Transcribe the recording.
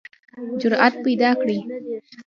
جرئت پیداکړئ